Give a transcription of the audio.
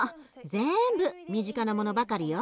全部身近なものばかりよ。